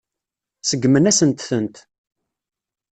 Seggmen-asent-tent.